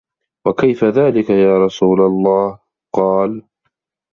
وَكَيْفَ ذَلِكَ يَا رَسُولَ اللَّهِ ؟ قَالَ